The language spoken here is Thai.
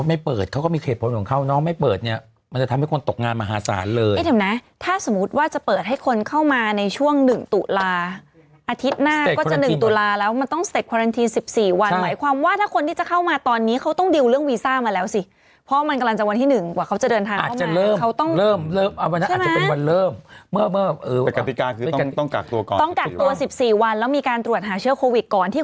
อาทิตย์หน้าก็จะ๑ตุลาห์แล้วมันต้องสเต็กควารันทีน๑๔วันหมายความว่าถ้าคนที่จะเข้ามาตอนนี้เขาต้องดิวเรื่องวีซ่ามาแล้วสิเพราะว่ามันกำลังจะวันที่๑กว่าเขาจะเดินทางเข้ามาอาจจะเริ่มอาจจะเป็นวันเริ่มเมื่อแต่กฎิกาคือต้องกากตัวก่อนต้องกากตัว๑๔วันแล้วมีการตรวจหาเชื้อโควิกก่อนที่